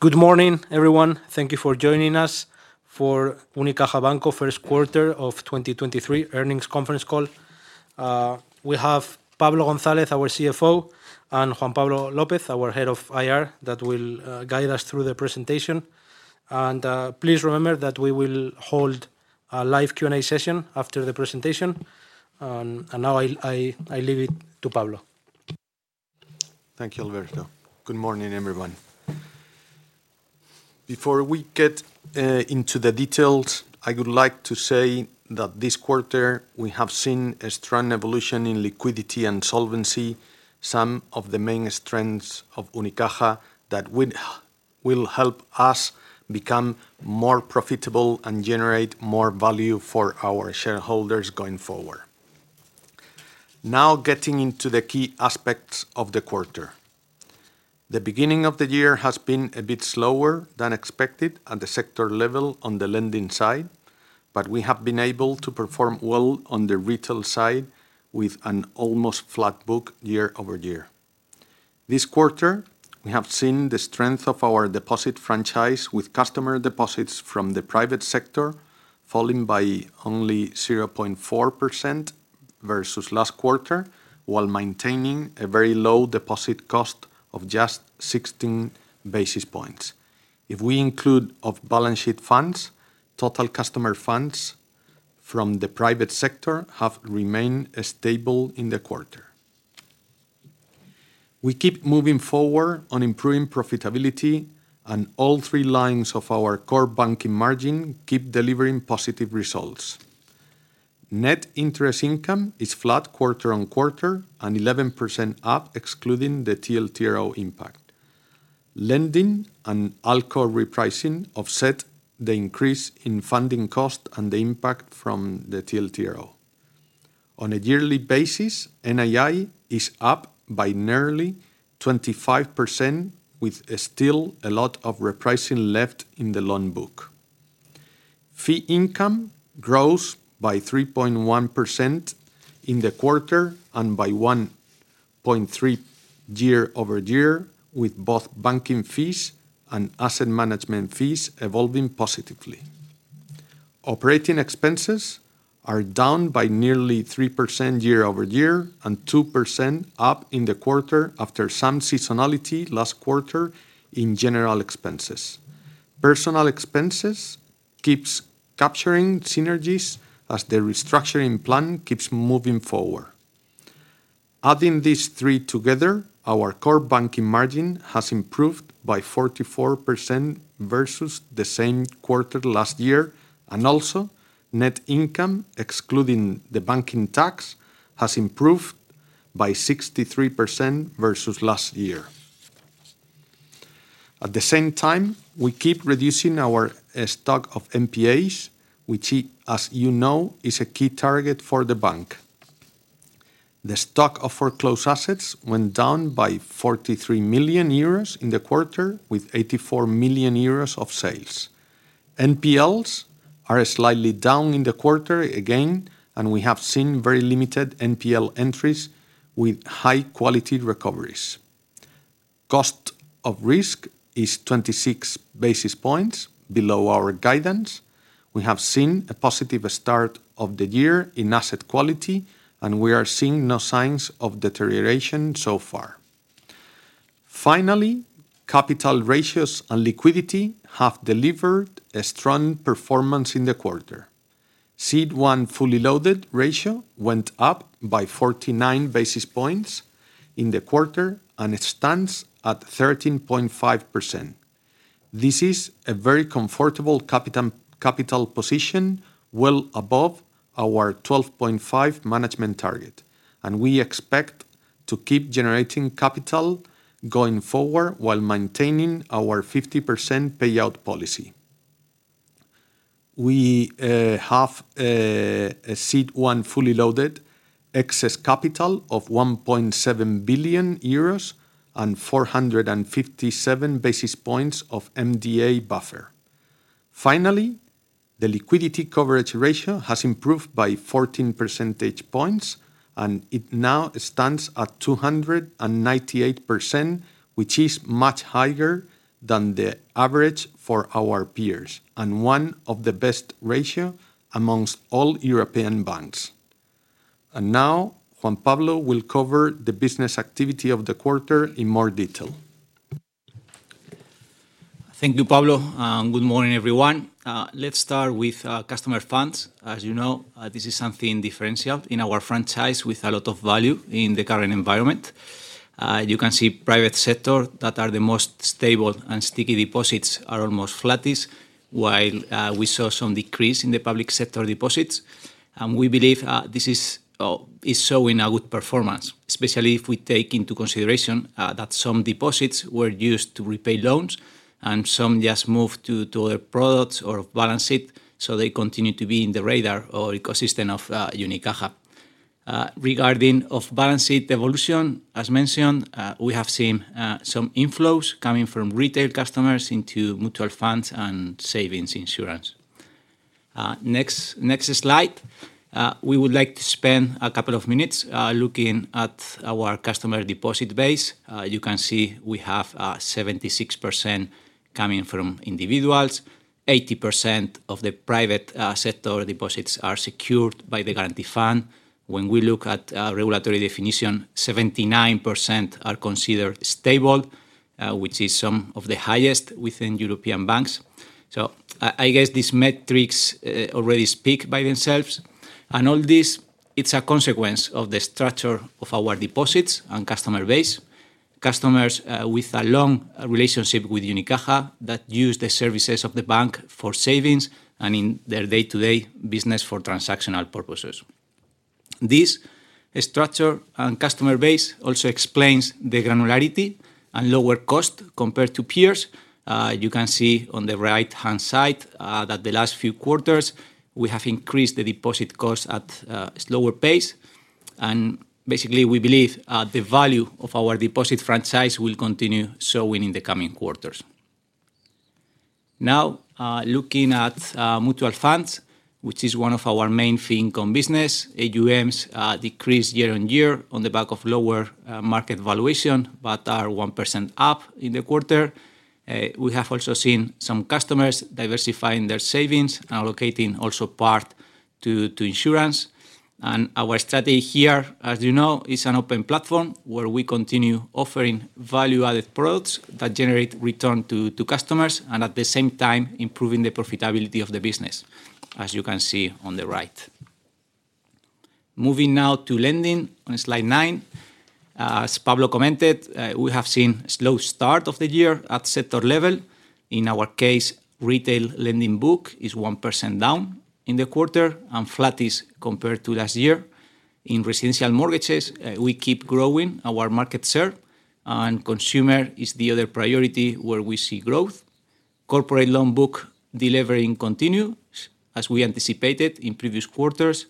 Good morning, everyone. Thank you for joining us for Unicaja Banco first quarter of 2023 Earnings Conference Call. We have Pablo Gonzalez, our CFO, and Juan Pablo Lopez, our head of IR, that will guide us through the presentation. Please remember that we will hold a live Q&A session after the presentation. Now I leave it to Pablo. Thank you, Alberto. Good morning, everyone. Before we get into the details, I would like to say that this quarter we have seen a strong evolution in liquidity and solvency, some of the main strengths of Unicaja that will help us become more profitable and generate more value for our shareholders going forward. Now, getting into the key aspects of the quarter. The beginning of the year has been a bit slower than expected at the sector level on the lending side, but we have been able to perform well on the retail side with an almost flat book year-over-year. This quarter, we have seen the strength of our deposit franchise with customer deposits from the private sector falling by only 0.4% versus last quarter, while maintaining a very low deposit cost of just 16 basis points. If we include off-balance sheet funds, total customer funds from the private sector have remained stable in the quarter. We keep moving forward on improving profitability, and all three lines of our core banking margin keep delivering positive results. Net interest income is flat quarter-on-quarter and 11% up excluding the TLTRO impact. Lending and ALCO repricing offset the increase in funding cost and the impact from the TLTRO. On a yearly basis, NII is up by nearly 25%, with still a lot of repricing left in the loan book. Fee income grows by 3.1% in the quarter and by 1.3% year-over-year, with both banking fees and asset management fees evolving positively. Operating expenses are down by nearly 3% year-over-year and 2% up in the quarter after some seasonality last quarter in general expenses. Personnel expenses keeps capturing synergies as the restructuring plan keeps moving forward. Adding these three together, our core banking margin has improved by 44% versus the same quarter last year, and also net income, excluding the banking tax, has improved by 63% versus last year. At the same time, we keep reducing our stock of NPAs, which as you know, is a key target for the bank. The stock of foreclosed assets went down by 43 million euros in the quarter, with 84 million euros of sales. NPLs are slightly down in the quarter again, and we have seen very limited NPL entries with high-quality recoveries. Cost of risk is 26 basis points below our guidance. We have seen a positive start of the year in asset quality, and we are seeing no signs of deterioration so far. Finally, capital ratios and liquidity have delivered a strong performance in the quarter. CET1 fully loaded ratio went up by 49 basis points in the quarter, and it stands at 13.5%. This is a very comfortable capital position, well above our 12.5% management target, and we expect to keep generating capital going forward while maintaining our 50% payout policy. We have a CET1 fully loaded excess capital of 1.7 billion euros and 457 basis points of MDA buffer. Finally, the Liquidity Coverage Ratio has improved by 14 percentage points, and it now stands at 298%, which is much higher than the average for our peers and one of the best ratio amongst all European banks. Now Juan Pablo will cover the business activity of the quarter in more detail. Thank you, Pablo, good morning, everyone. Let's start with our customer funds. As you know, this is something differentiated in our franchise with a lot of value in the current environment. You can see private sector that are the most stable and sticky deposits are almost flattest, while we saw some decrease in the public sector deposits. We believe this is showing a good performance, especially if we take into consideration that some deposits were used to repay loans and some just moved to other products or balance sheet, so they continue to be in the radar or ecosystem of Unicaja. Regarding off-balance sheet evolution, as mentioned, we have seen some inflows coming from retail customers into mutual funds and savings insurance. Next slide. We would like to spend a couple of minutes looking at our customer deposit base. You can see we have 76% coming from individuals. 80% of the private sector deposits are secured by the guarantee fund. When we look at our regulatory definition, 79% are considered stable, which is some of the highest within European banks. I guess these metrics already speak by themselves. All this, it's a consequence of the structure of our deposits and customer base. Customers with a long relationship with Unicaja that use the services of the bank for savings and in their day-to-day business for transactional purposes. This structure and customer base also explains the granularity and lower cost compared to peers. You can see on the right-hand side, that the last few quarters we have increased the deposit costs at a slower pace. Basically, we believe the value of our deposit franchise will continue showing in the coming quarters. Now, looking at mutual funds, which is one of our main fee income business. AUMs decreased year-on-year on the back of lower market valuation, but are 1% up in the quarter. We have also seen some customers diversifying their savings and allocating also part to insurance. Our strategy here, as you know, is an open platform where we continue offering value-added products that generate return to customers and at the same time improving the profitability of the business, as you can see on the right. Moving now to lending on slide nine. As Pablo commented, we have seen slow start of the year at sector level. In our case, retail lending book is 1% down in the quarter and flattish compared to last year. In residential mortgages, we keep growing our market share. Consumer is the other priority where we see growth. Corporate loan book delivering continue as we anticipated in previous quarters.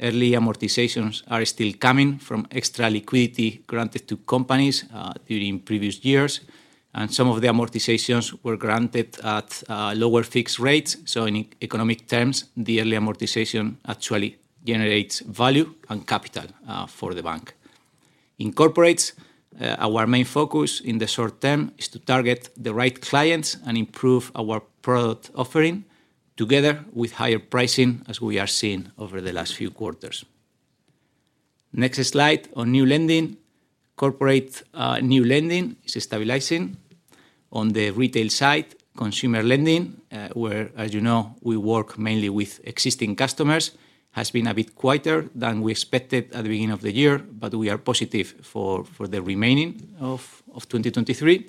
Early amortizations are still coming from extra liquidity granted to companies during previous years. Some of the amortizations were granted at lower fixed rates. In economic terms, the early amortization actually generates value and capital for the bank. In corporates, our main focus in the short term is to target the right clients and improve our product offering together with higher pricing as we are seeing over the last few quarters. Next slide on new lending. Corporate new lending is stabilizing. On the retail side, consumer lending, where, as you know, we work mainly with existing customers, has been a bit quieter than we expected at the beginning of the year, but we are positive for the remaining of 2023.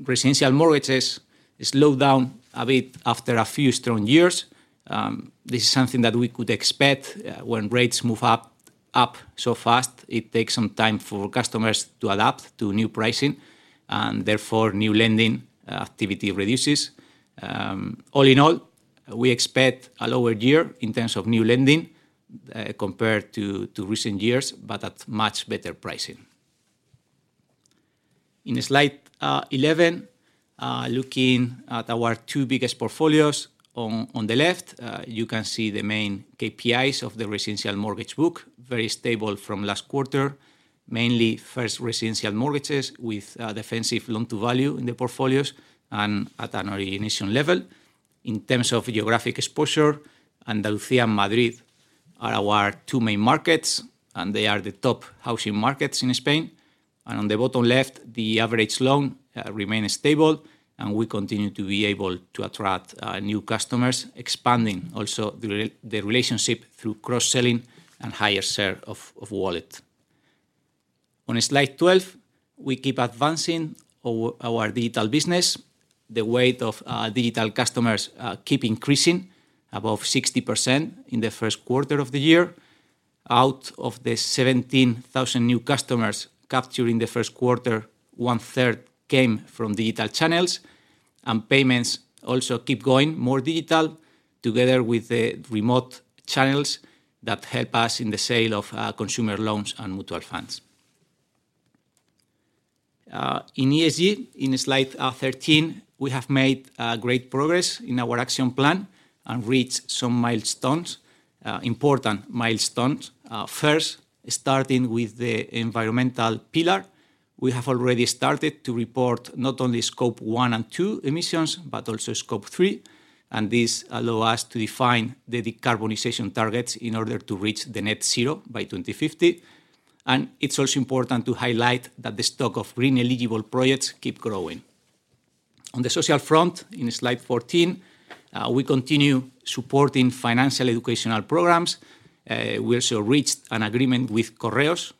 Residential mortgages slowed down a bit after a few strong years. This is something that we could expect when rates move up so fast, it takes some time for customers to adapt to new pricing, and therefore, new lending activity reduces. All in all, we expect a lower year in terms of new lending compared to recent years, but at much better pricing. In slide 11, looking at our two biggest portfolios. On the left, you can see the main KPIs of the residential mortgage book, very stable from last quarter. Mainly first residential mortgages with defensive loan-to-value in the portfolios and at an origination level. In terms of geographic exposure, Andalucía and Madrid are our two main markets, and they are the top housing markets in Spain. On the bottom left, the average loan remain stable, and we continue to be able to attract new customers, expanding also the relationship through cross-selling and higher share of wallet. On slide 12, we keep advancing our digital business. The weight of digital customers keep increasing, above 60% in the first quarter of the year. Out of the 17,000 new customers capturing the first quarter, one-third came from digital channels. Payments also keep going more digital together with the remote channels that help us in the sale of consumer loans and mutual funds. In ESG, in slide 13, we have made great progress in our action plan and reached some important milestones. First, starting with the environmental pillar, we have already started to report not only scope one and two emissions, but also scope three. This allow us to define the decarbonization targets in order to reach the net zero by 2050. It's also important to highlight that the stock of green eligible projects keep growing. On the social front, in slide 14, we continue supporting financial educational programs. We also reached an agreement with Correos,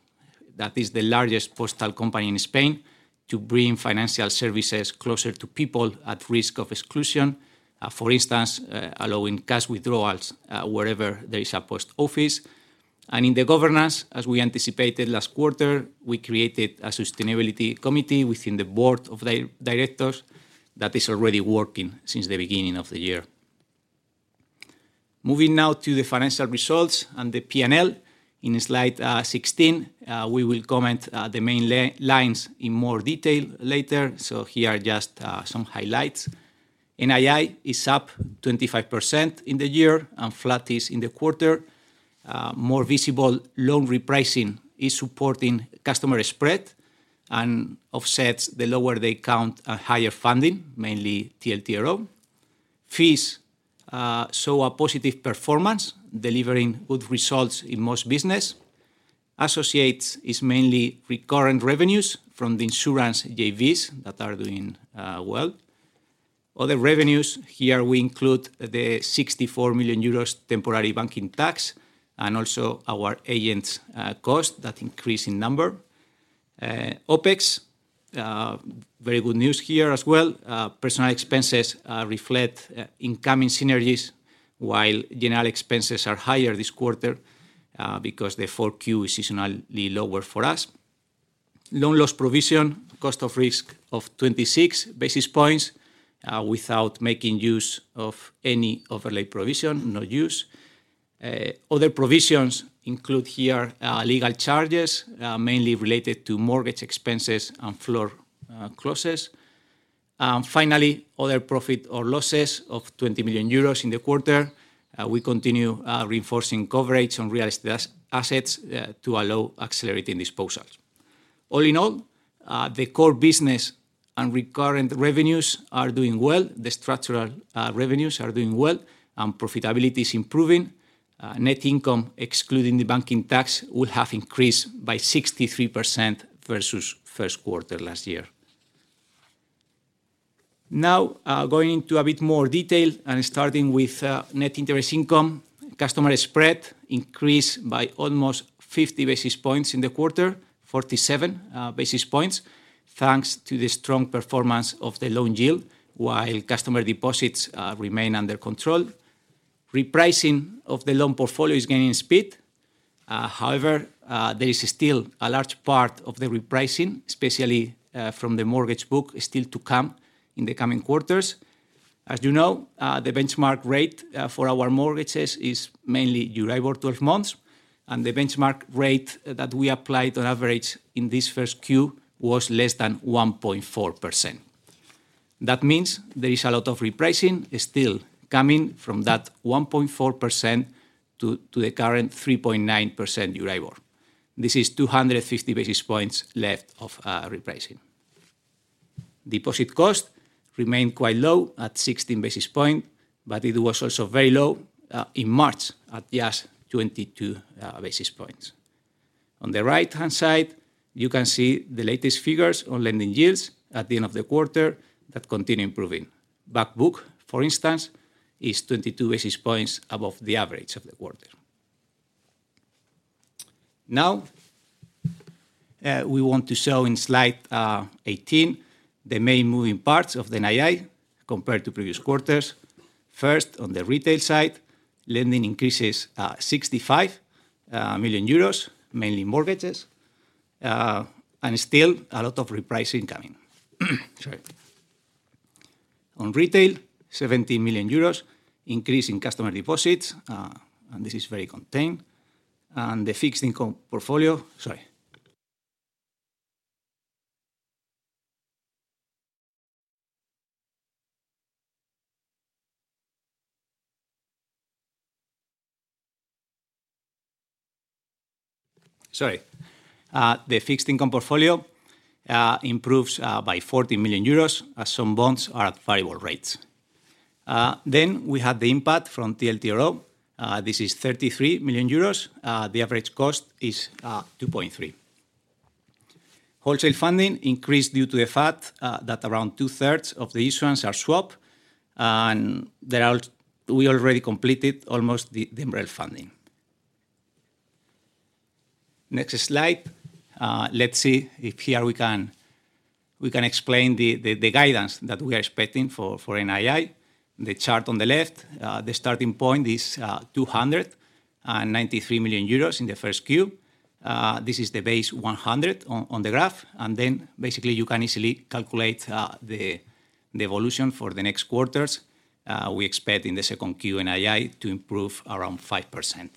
that is the largest postal company in Spain, to bring financial services closer to people at risk of exclusion. For instance, allowing cash withdrawals wherever there is a post office. In the governance, as we anticipated last quarter, we created a sustainability committee within the board of directors that is already working since the beginning of the year. Moving now to the financial results and the P&L. In slide 16, we will comment the main lay-lines in more detail later, so here are just some highlights. NII is up 25% in the year and flat is in the quarter. More visible loan repricing is supporting customer spread and offsets the lower day count and higher funding, mainly TLTRO. Fees show a positive performance, delivering good results in most business. Associates is mainly recurrent revenues from the insurance JVs that are doing well. Other revenues, here we include the 64 million euros temporary banking tax and also our agents' cost that increase in number. OpEx, very good news here as well. Personal expenses reflect incoming synergies, while general expenses are higher this quarter because the 4Q is seasonally lower for us. Loan loss provision, cost of risk of 26 basis points, without making use of any overlay provision, no use. Other provisions include here legal charges, mainly related to mortgage expenses and floor clauses. Finally, other profit or losses of 20 million euros in the quarter. We continue reinforcing coverage on real estate assets to allow accelerating disposals. All in all, the core business and recurrent revenues are doing well. The structural revenues are doing well and profitability is improving. Net income, excluding the banking tax, would have increased by 63% versus first quarter last year. Going into a bit more detail and starting with net interest income. Customer spread increased by almost 50 basis points in the quarter, 47 basis points, thanks to the strong performance of the loan yield while customer deposits remain under control. Repricing of the loan portfolio is gaining speed. However, there is still a large part of the repricing, especially from the mortgage book, is still to come in the coming quarters. As you know, the benchmark rate for our mortgages is mainly Euribor 12 months, and the benchmark rate that we applied on average in this first Q was less than 1.4%. That means there is a lot of repricing is still coming from that 1.4% to the current 3.9% Euribor. This is 250 basis points left of repricing. Deposit cost remained quite low at 16 basis point, but it was also very low in March at just 22 basis points. On the right-hand side, you can see the latest figures on lending yields at the end of the quarter that continue improving. Back book, for instance, is 22 basis points above the average of the quarter. We want to show in slide 18 the main moving parts of the NII compared to previous quarters. First, on the retail side, lending increases 65 million euros, mainly mortgages, and still a lot of repricing coming. Sorry. On retail, 70 million euros, increase in customer deposits, and this is very contained. The fixed income portfolio improves by 40 million euros as some bonds are at variable rates. We have the impact from TLTRO. This is 33 million euros. The average cost is 2.3%. Wholesale funding increased due to the fact that around two-thirds of the issuance are swap, and we already completed almost the MREL funding. Next slide. Let's see if here we can explain the guidance that we are expecting for NII. The chart on the left, the starting point is 293 million euros in the first Q. This is the base 100 on the graph, and then basically you can easily calculate the evolution for the next quarters. We expect in the second Q NII to improve around 5%.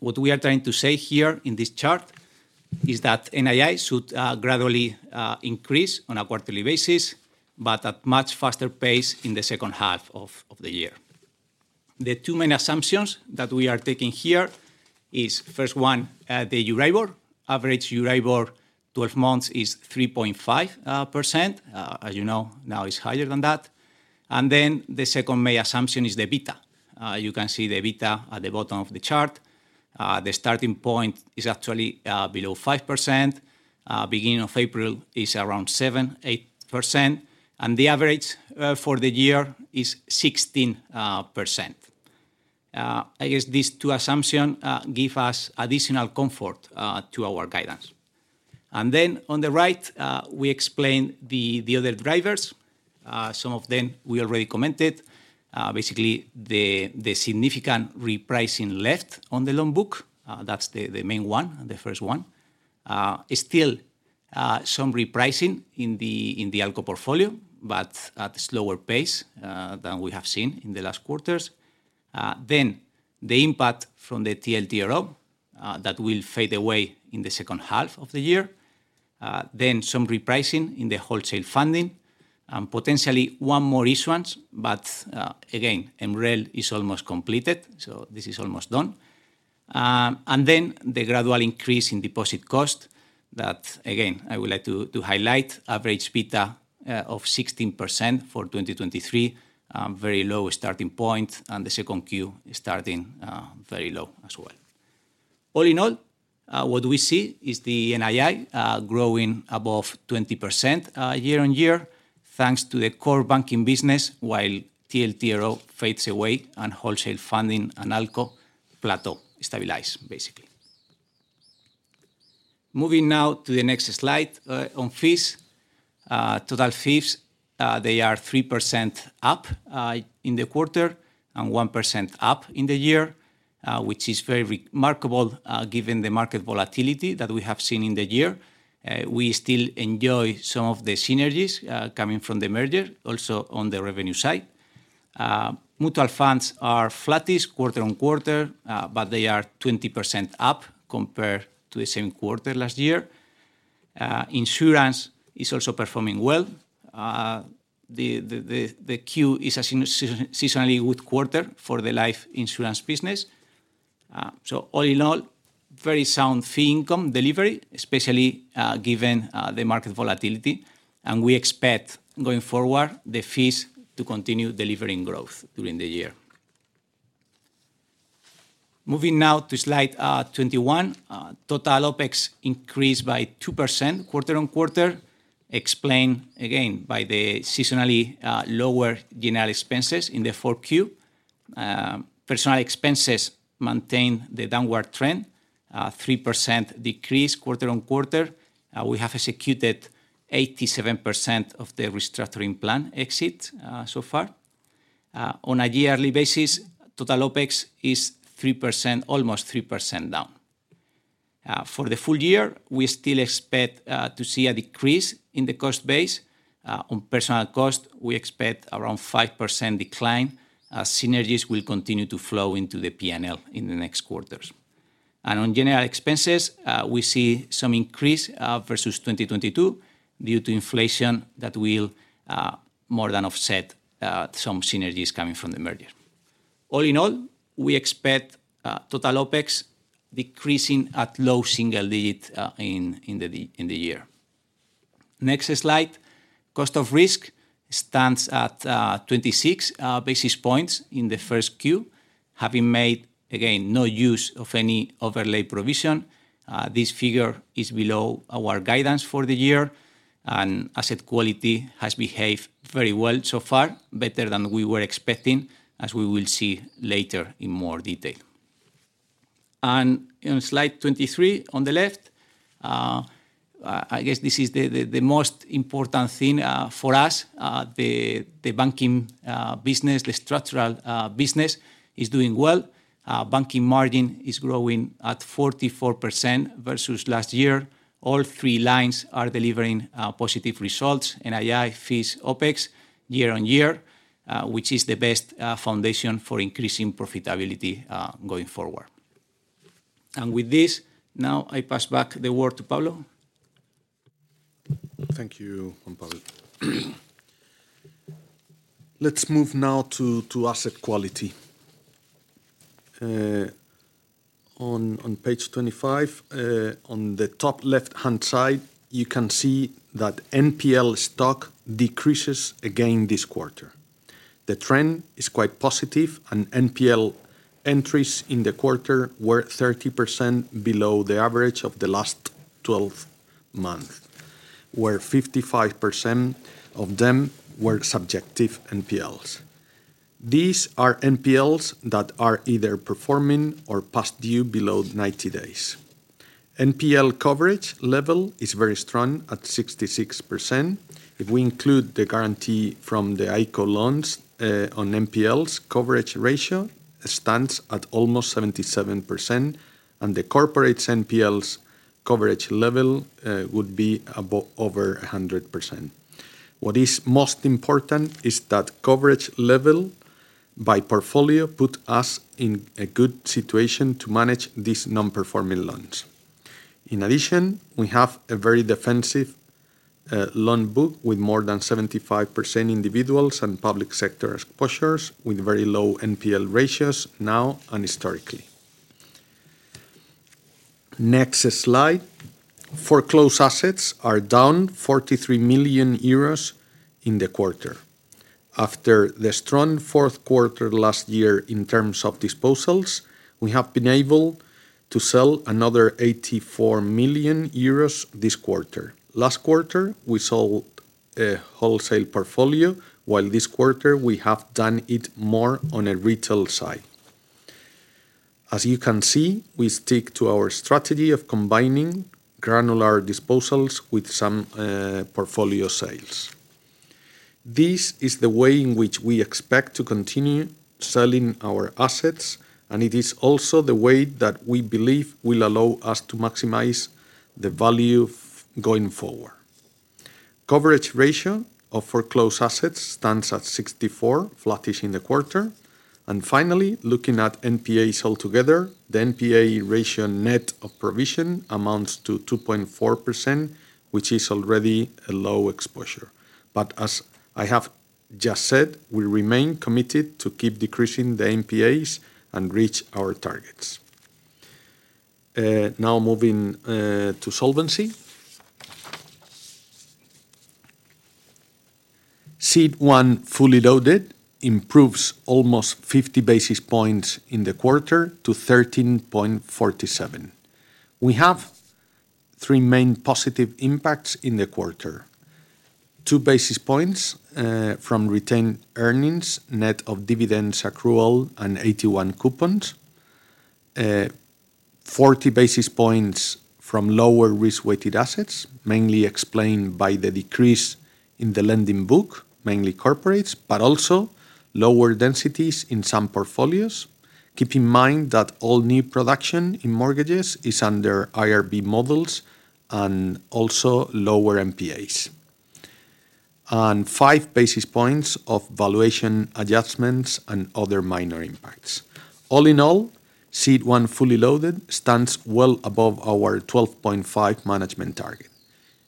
What we are trying to say here in this chart is that NII should gradually increase on a quarterly basis, but at much faster pace in the second half of the year. The two main assumptions that we are taking here is, first one, the Euribor. Average Euribor 12 months is 3.5%. As you know, now it's higher than that. The second main assumption is the beta. You can see the beta at the bottom of the chart. The starting point is actually below 5%. Beginning of April is around 7%-8%, and the average for the year is 16%. I guess these two assumptions give us additional comfort to our guidance. On the right, we explain the other drivers. Some of them we already commented. Basically the significant repricing left on the loan book, that's the main one, the first one. Still, some repricing in the ALCO portfolio, but at a slower pace than we have seen in the last quarters. The impact from the TLTRO that will fade away in the second half of the year. Some repricing in the wholesale funding and potentially one more issuance, but again, MREL is almost completed, this is almost done. The gradual increase in deposit cost that again, I would like to highlight. Average RoTE of 16% for 2023. Very low starting point, the 2Q is starting very low as well. All in all, what we see is the NII growing above 20% year-on-year, thanks to the core banking business, while TLTRO fades away and wholesale funding and ALCO plateau stabilize, basically. Moving now to the next slide on fees. Total fees, they are 3% up in the quarter and 1% up in the year, which is very remarkable, given the market volatility that we have seen in the year. We still enjoy some of the synergies coming from the merger also on the revenue side. Mutual funds are flattish quarter-on-quarter, they are 20% up compared to the same quarter last year. Insurance is also performing well. The Q is a seasonally good quarter for the life insurance business. All in all, very sound fee income delivery, especially given the market volatility. We expect going forward, the fees to continue delivering growth during the year. Moving now to slide 21. Total OpEx increased by 2% quarter-on-quarter. Explained again by the seasonally lower general expenses in the 4Q. Personal expenses maintain the downward trend, a 3% decrease quarter-on-quarter. We have executed 87% of the restructuring plan exit so far. On a yearly basis, total OpEx is 3%, almost 3% down. For the full year, we still expect to see a decrease in the cost base. On personal cost, we expect around 5% decline, as synergies will continue to flow into the P&L in the next quarters. On general expenses, we see some increase versus 2022 due to inflation that will more than offset some synergies coming from the merger. All in all, we expect total OpEx decreasing at low single digit in the year. Next slide. Cost of risk stands at 26 basis points in the first Q, having made again, no use of any overlay provision. This figure is below our guidance for the year, and asset quality has behaved very well so far, better than we were expecting, as we will see later in more detail. In slide 23 on the left, I guess this is the most important thing for us. The banking business, the structural business is doing well. Banking margin is growing at 44% versus last year. All three lines are delivering positive results, NII, fees, OpEx year-on-year, which is the best foundation for increasing profitability going forward. With this, now I pass back the word to Pablo. Thank you, Juan Pablo. Let's move now to asset quality. On page 25, on the top left-hand side, you can see that NPL stock decreases again this quarter. The trend is quite positive. NPL entries in the quarter were 30% below the average of the last 12 months, where 55% of them were subjective NPLs. These are NPLs that are either performing or past due below 90 days. NPL coverage level is very strong at 66%. If we include the guarantee from the ICO loans, on NPLs, coverage ratio stands at almost 77%. The corporate NPLs coverage level would be over 100%. What is most important is that coverage level by portfolio put us in a good situation to manage these non-performing loans. We have a very defensive loan book with more than 75% individuals and public sector exposures with very low NPL ratios now and historically. Next slide. Foreclosed assets are down 43 million euros in the quarter. After the strong fourth quarter last year in terms of disposals, we have been able to sell another 84 million euros this quarter. Last quarter, we sold a wholesale portfolio, while this quarter we have done it more on a retail side. As you can see, we stick to our strategy of combining granular disposals with some portfolio sales. This is the way in which we expect to continue selling our assets, and it is also the way that we believe will allow us to maximize the value going forward. Coverage ratio of foreclosed assets stands at 64%, flattish in the quarter. Finally, looking at NPAs altogether, the NPA ratio net of provision amounts to 2.4%, which is already a low exposure. As I have just said, we remain committed to keep decreasing the NPAs and reach our targets. Now moving to solvency. CET1 fully loaded improves almost 50 basis points in the quarter to 13.47%. We have three main positive impacts in the quarter. 2 basis points from retained earnings, net of dividends accrual and AT1 coupons. 40 basis points from lower risk weighted assets, mainly explained by the decrease in the lending book, mainly corporates, but also lower densities in some portfolios. Keep in mind that all new production in mortgages is under IRB models and also lower NPAs. 5 basis points of valuation adjustments and other minor impacts. All in all, CET1 fully loaded stands well above our 12.5% management target.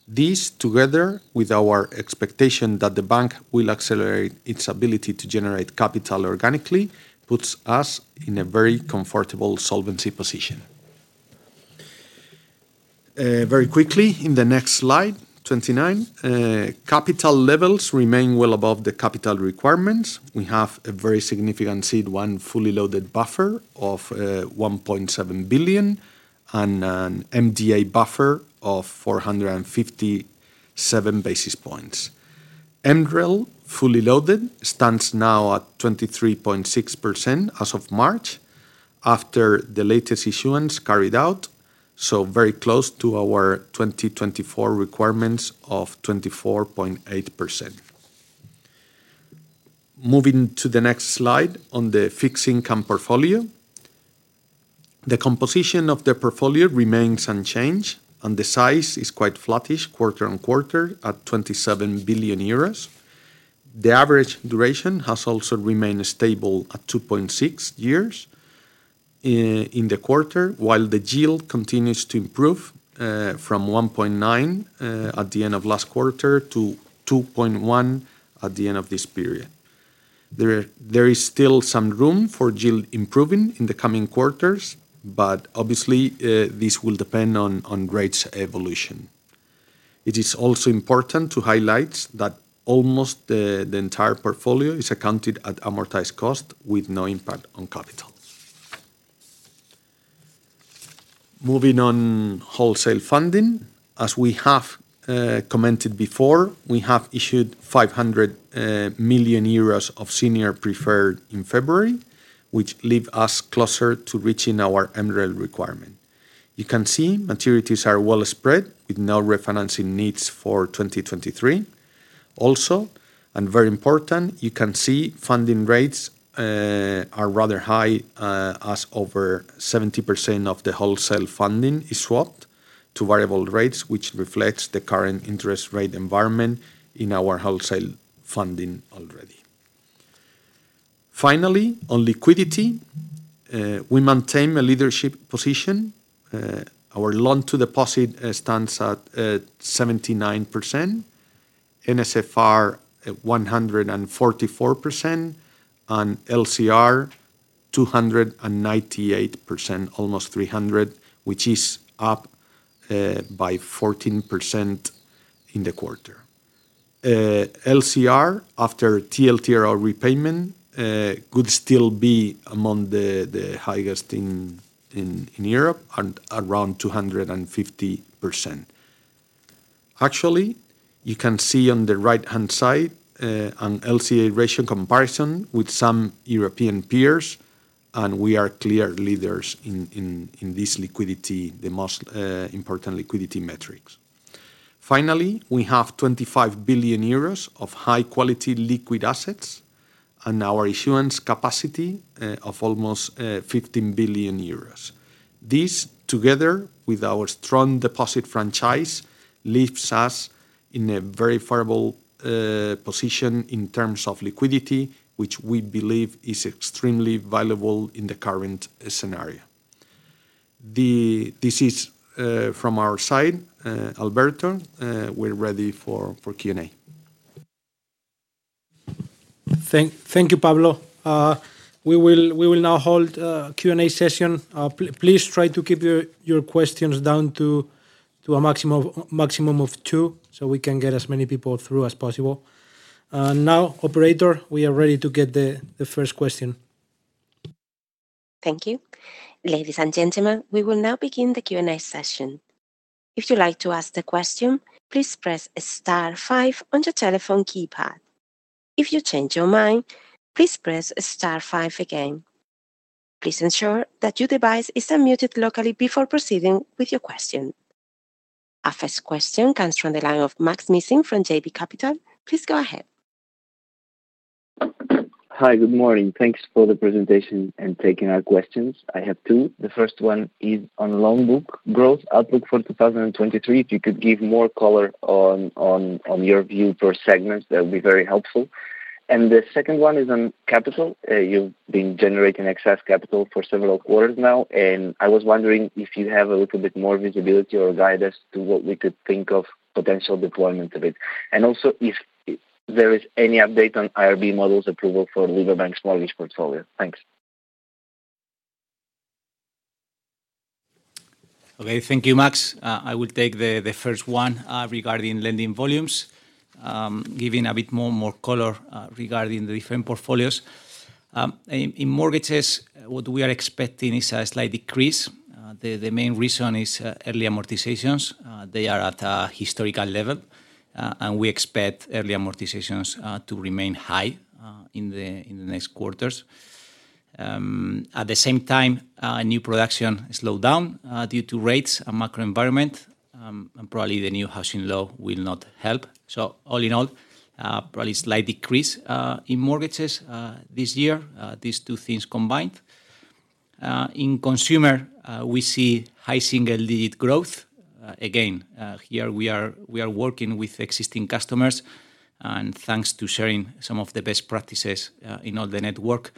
This, together with our expectation that the bank will accelerate its ability to generate capital organically, puts us in a very comfortable solvency position. Very quickly, in the next slide, 29, capital levels remain well above the capital requirements. We have a very significant CET1 fully loaded buffer of 1.7 billion and an MDA buffer of 457 basis points. MREL, fully loaded, stands now at 23.6% as of March after the latest issuance carried out, so very close to our 2024 requirements of 24.8%. Moving to the next slide on the fixed income portfolio. The composition of the portfolio remains unchanged, and the size is quite flattish quarter-on-quarter at 27 billion euros. The average duration has also remained stable at 2.6 years in the quarter, while the yield continues to improve, from 1.9 at the end of last quarter to 2.1 at the end of this period. There is still some room for yield improving in the coming quarters, obviously, this will depend on grades evolution. It is also important to highlight that almost the entire portfolio is accounted at amortized cost with no impact on capital. Moving on wholesale funding. As we have commented before, we have issued 500 million euros of senior preferred in February, which leave us closer to reaching our MREL requirement. You can see maturities are well spread with no refinancing needs for 2023. Also, and very important, you can see funding rates are rather high, as over 70% of the wholesale funding is swapped to variable rates, which reflects the current interest rate environment in our wholesale funding already. Finally, on liquidity, we maintain a leadership position. Our loan to deposit stands at 79%, NSFR at 144%, and LCR 298%, almost 300, which is up by 14% in the quarter. LCR after TLTRO repayment could still be among the highest in Europe and around 250%. Actually, you can see on the right-hand side, an LCR ratio comparison with some European peers, we are clear leaders in this liquidity, the most important liquidity metrics. Finally, we have 25 billion euros of high-quality liquid assets and our issuance capacity, of almost 15 billion euros. This is, from our side, Alberto. We're ready for Q&A. Thank you, Pablo. We will now hold a Q&A session. Please try to keep your questions down to a maximum of two so we can get as many people through as possible. Now, operator, we are ready to get the first question. Thank you. Ladies and gentlemen, we will now begin the Q&A session. If you'd like to ask the question, please press star five on your telephone keypad. If you change your mind, please press star five again. Please ensure that your device is unmuted locally before proceeding with your question. Our first question comes from the line of Max Mishan from JB Capital. Please go ahead. Hi. Good morning. Thanks for the presentation and taking our questions. I have two. The first one is on loan book growth outlook for 2023. If you could give more color on your view for segments, that would be very helpful. The second one is on capital. You've been generating excess capital for several quarters now, and I was wondering if you have a little bit more visibility or guide as to what we could think of potential deployment of it. Also, if there is any update on IRB models approval for Liberbank's mortgage portfolio. Thanks. Okay. Thank you, Max. I will take the first one regarding lending volumes, giving a bit more color regarding the different portfolios. In mortgages, what we are expecting is a slight decrease. The main reason is early amortizations. They are at a historical level, and we expect early amortizations to remain high in the next quarters. At the same time, new production slowed down due to rates and macro environment, and probably the new housing law will not help. All in all, probably slight decrease in mortgages this year, these two things combined. In consumer, we see high single-digit growth. Again, here we are, we are working with existing customers, and thanks to sharing some of the best practices, in all the network,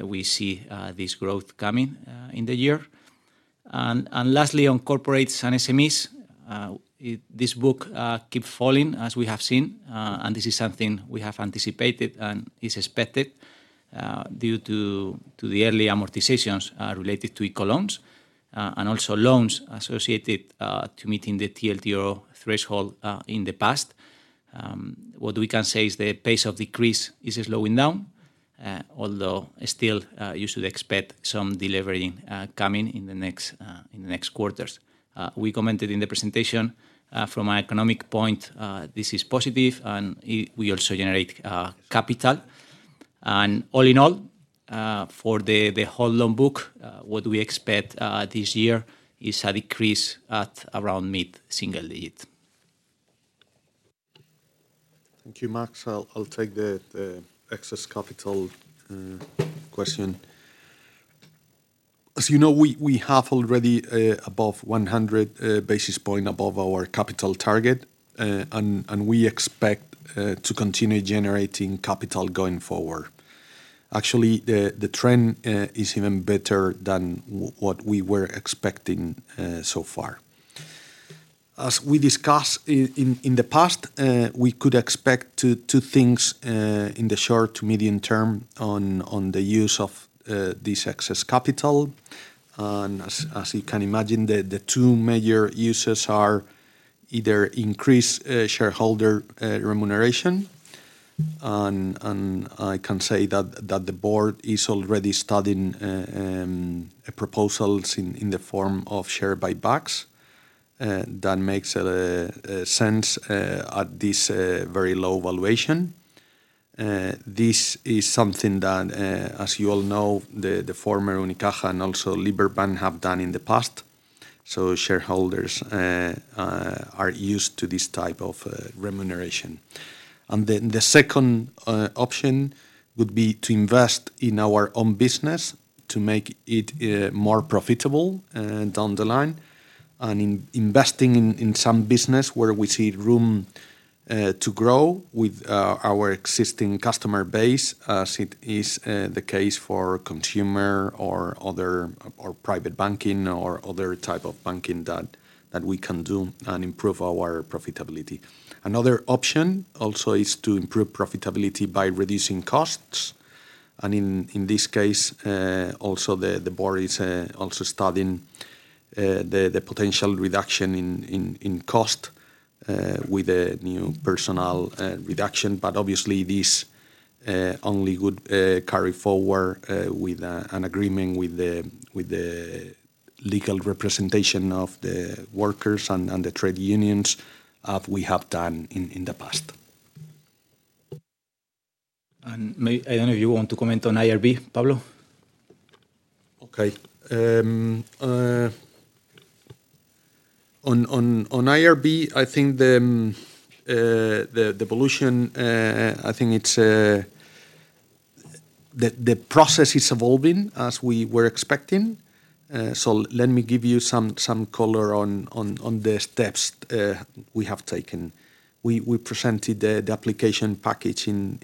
we see this growth coming in the year. Lastly, on corporates and SMEs, this book keep falling as we have seen, and this is something we have anticipated and is expected due to the early amortizations related to ICO loans, and also loans associated to meeting the TLTRO threshold in the past. What we can say is the pace of decrease is slowing down, although still, you should expect some delivery coming in the next in the next quarters. We commented in the presentation, from an economic point, this is positive and we also generate capital. All in all, for the whole loan book, what we expect this year is a decrease at around mid-single digit. Thank you, Max. I'll take the excess capital question. As you know, we have already above 100 basis points above our capital target, and we expect to continue generating capital going forward. Actually, the trend is even better than what we were expecting so far. As we discussed in the past, we could expect two things in the short to medium term on the use of this excess capital. And as you can imagine, the two major uses are either increase shareholder remuneration and I can say that the board is already studying proposals in the form of share buybacks that makes sense at this very low valuation. This is something that, as you all know, the former Unicaja and also Liberbank have done in the past. Shareholders are used to this type of remuneration. The second option would be to invest in our own business to make it more profitable down the line, and investing in some business where we see room to grow with our existing customer base, as it is the case for consumer or other private banking or other type of banking that we can do and improve our profitability. Another option also is to improve profitability by reducing costs. In this case, also the board is also studying the potential reduction in cost with a new personal reduction. Obviously this only would carry forward with an agreement with the legal representation of the workers and the trade unions as we have done in the past. I don't know if you want to comment on IRB, Pablo? Okay. On IRB, I think the evolution, I think it's the process is evolving as we were expecting. Let me give you some color on the steps we have taken. We presented the application package at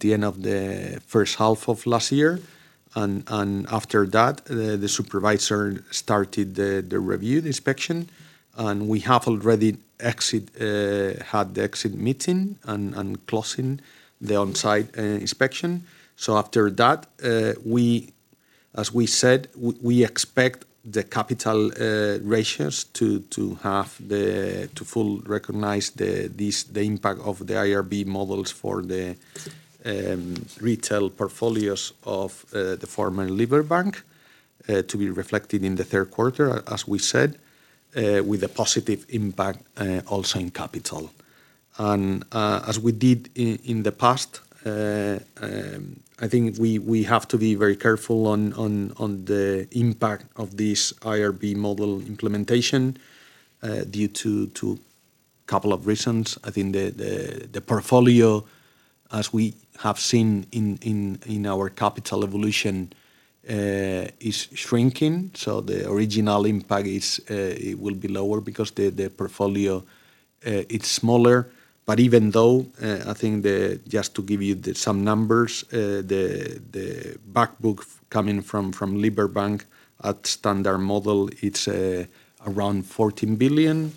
the end of the first half of last year. After that, the supervisor started the review, the inspection, and we have already had the exit meeting and closing the on-site inspection. After that, as we said, we expect the capital ratios to have to full recognize the impact of the IRB models for the retail portfolios of the former Liberbank to be reflected in the third quarter, as we said, with a positive impact also in capital. As we did in the past, I think we have to be very careful on the impact of this IRB model implementation due to couple of reasons. I think the portfolio, as we have seen in our capital evolution, is shrinking. The original impact is, it will be lower because the portfolio it's smaller. Even though, I think the... Just to give you the, some numbers, the back book coming from Liberbank at standard model, it's around 14 billion.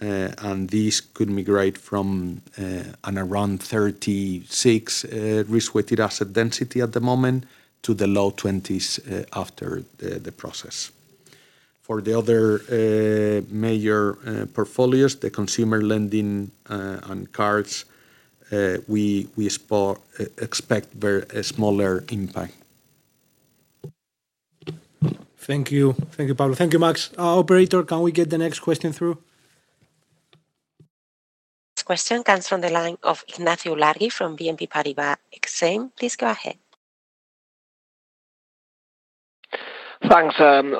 This could migrate from an around 36 risk-weighted asset density at the moment to the low twenties after the process. For the other major portfolios, the consumer lending and cards, we expect a smaller impact. Thank you. Thank you, Pablo. Thank you, Max. operator, can we get the next question through? This question comes from the line of Ignacio Ulargui from BNP Paribas Exane. Please go ahead. Thanks,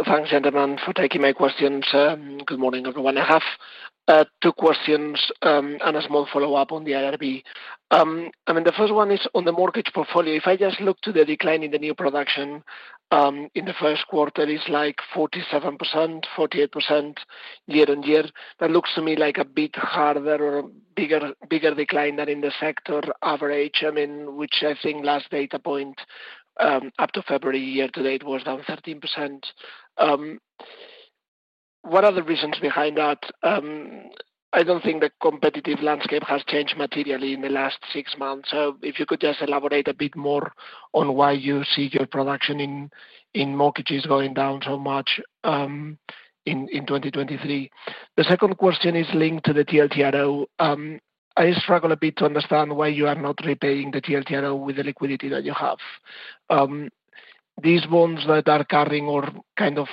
thanks gentlemen for taking my questions. Good morning, everyone. I have two questions and a small follow-up on the IRB. I mean, the first one is on the mortgage portfolio. If I just look to the decline in the new production, in the first quarter, it's like 47%, 48% year-on-year. That looks to me like a bit harder or bigger decline than in the sector average. I mean, which I think last data point, up to February year-to-date was down 13%. What are the reasons behind that? I don't think the competitive landscape has changed materially in the last six months. If you could just elaborate a bit more on why you see your production in mortgages going down so much in 2023. The second question is linked to the TLTRO. I struggle a bit to understand why you are not repaying the TLTRO with the liquidity that you have. These bonds that are carrying or kind of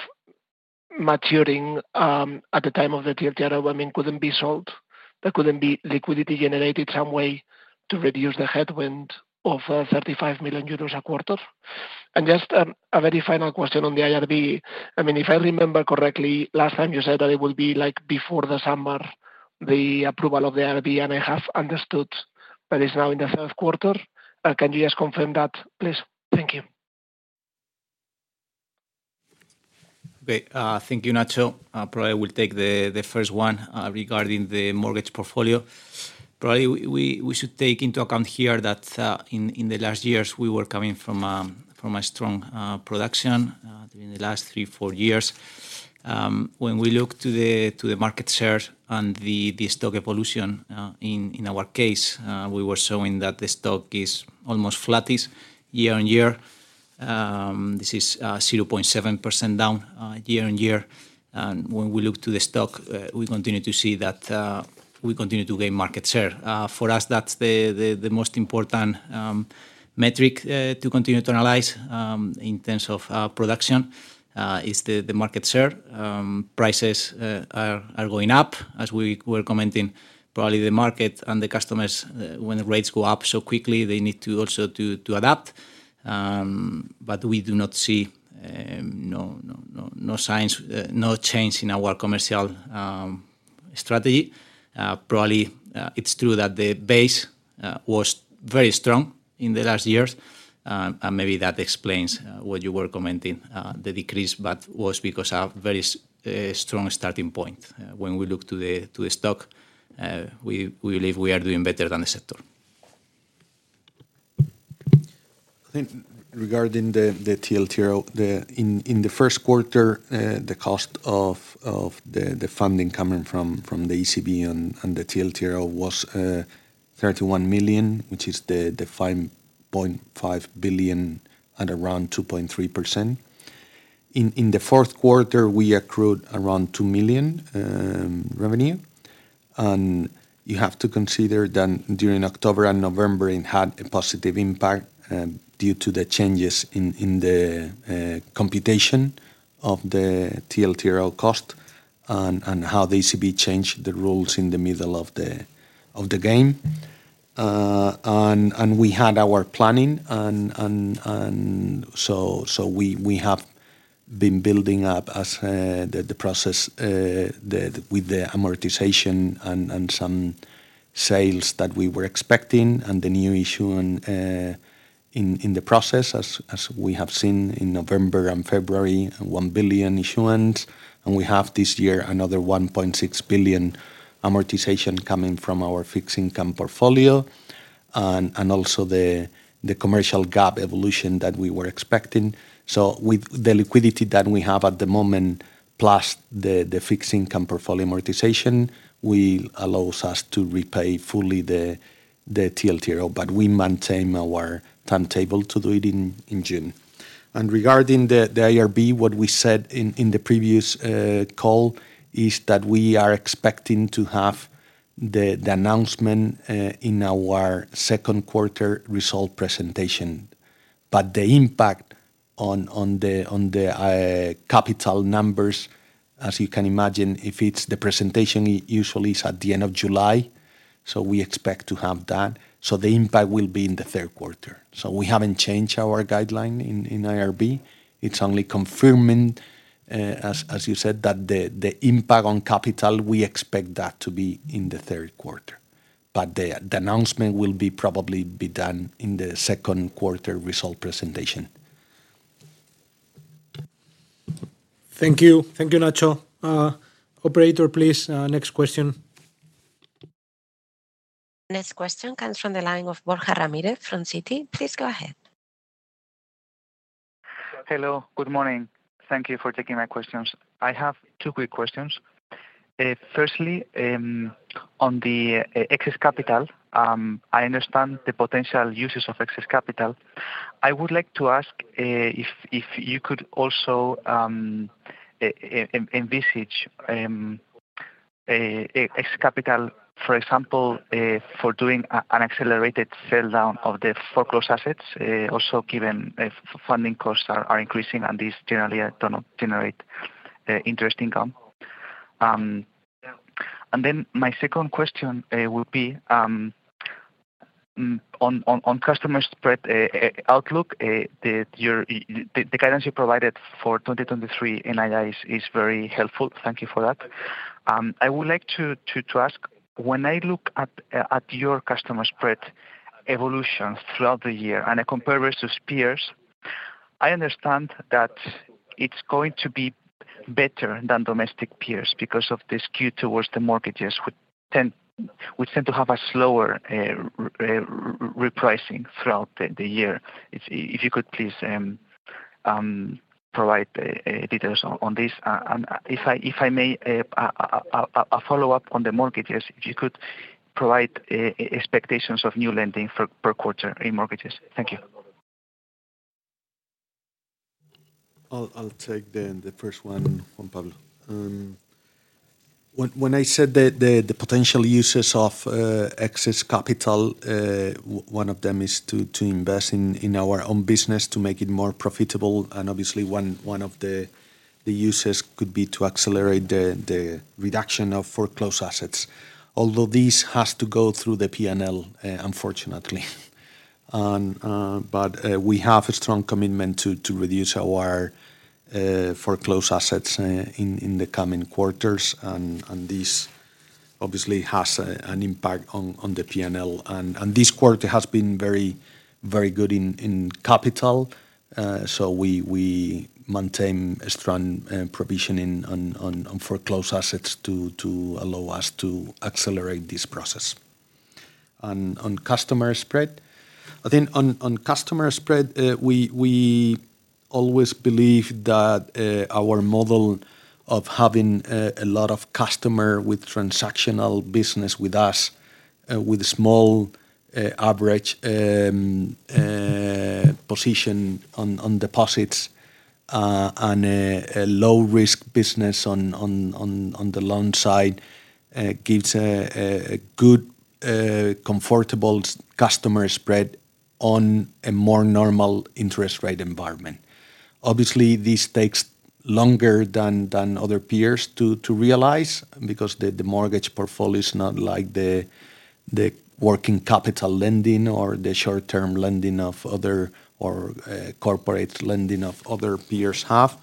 maturing, at the time of the TLTRO, I mean, couldn't be sold. There couldn't be liquidity generated some way to reduce the headwind of 35 million euros a quarter? Just a very final question on the IRB. I mean, if I remember correctly, last time you said that it will be, like, before the summer, the approval of the IRB, and I have understood that it's now in the third quarter. Can you just confirm that, please? Thank you. Okay. Thank you, Nacho. I probably will take the first one regarding the mortgage portfolio. Probably we should take into account here that in the last years, we were coming from a strong production during the last three, four years. When we look to the market shares and the stock evolution, in our case, we were showing that the stock is almost flattish year-on-year. This is 0.7% down year-on-year. When we look to the stock, we continue to see that we continue to gain market share. For us, that's the most important metric to continue to analyze in terms of production is the market share. Prices are going up as we were commenting. Probably the market and the customers, when the rates go up so quickly, they need to also to adapt. We do not see no signs, no change in our commercial strategy. Probably, it's true that the base was very strong in the last years, maybe that explains what you were commenting, the decrease. Was because a very strong starting point. When we look to the stock, we believe we are doing better than the sector. I think regarding the TLTRO, in the first quarter, the cost of the funding coming from the ECB and the TLTRO was 31 million, which is the 5.5 billion at around 2.3%. In the fourth quarter, we accrued around 2 million revenue. You have to consider that during October and November, it had a positive impact due to the changes in the computation of the TLTRO cost and how the ECB changed the rules in the middle of the game. We had our planning and so we have been building up as the process, with the amortization and some sales that we were expecting and the new issuance in the process as we have seen in November and February, 1 billion issuance. We have this year another 1.6 billion amortization coming from our fixed income portfolio and also the commercial GAP evolution that we were expecting. With the liquidity that we have at the moment, plus the fixed income portfolio amortization, allows us to repay fully the TLTRO, but we maintain our timetable to do it in June. Regarding the IRB, what we said in the previous call is that we are expecting to have the announcement in our second quarter result presentation. The impact on the capital numbers, as you can imagine, if it's the presentation usually is at the end of July, we expect to have that. The impact will be in the third quarter. We haven't changed our guideline in IRB. It's only confirming, as you said, that the impact on capital, we expect that to be in the third quarter. The announcement will be probably be done in the second quarter result presentation. Thank you. Thank you, Nacho. operator, please, next question. Next question comes from the line of Borja Ramirez from Citi. Please go ahead. Hello. Good morning. Thank you for taking my questions. I have two quick questions. Firstly, on the excess capital, I understand the potential uses of excess capital. I would like to ask if you could also envisage excess capital, for example, for doing an accelerated sell-down of the foreclosed assets, also given funding costs are increasing and these generally do not generate interest income. My second question will be on customer spread outlook. The guidance you provided for 2023 NII is very helpful. Thank you for that. I would like to ask, when I look at your customer spread evolution throughout the year and a comparison with peers, I understand that it's going to be better than domestic peers because of the skew towards the mortgages which tend to have a slower repricing throughout the year. If you could please provide details on this. If I may, a follow-up on the mortgages, if you could provide expectations of new lending for per quarter in mortgages. Thank you. I'll take then the first one, Juan Pablo. When I said the potential uses of excess capital, one of them is to invest in our own business to make it more profitable. Obviously, one of the uses could be to accelerate the reduction of foreclosed assets. Although this has to go through the P&L, unfortunately. We have a strong commitment to reduce our foreclosed assets in the coming quarters, and this obviously has an impact on the P&L. This quarter has been very good in capital, we maintain a strong provision on foreclosed assets to allow us to accelerate this process. On customer spread. I think on customer spread, we always believe that our model of having a lot of customer with transactional business with us, with small average position on deposits, and a low-risk business on the loan side, gives a good comfortable customer spread on a more normal interest rate environment. Obviously, this takes longer than other peers to realize because the mortgage portfolio is not like the working capital lending or the short-term lending of other corporate lending of other peers have.